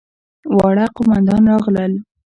واړه قوماندان راغلل.